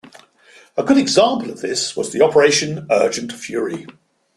A good example of this was the Operation Urgent Fury.